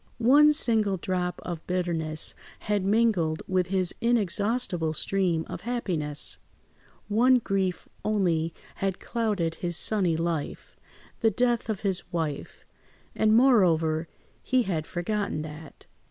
One single drop of bitterness had mingled with his inexhaustible stream of happiness; one grief only had clouded his sunny life—the death of his wife—and moreover he had forgotten that.